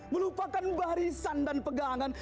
melupakan barisan dan pegangan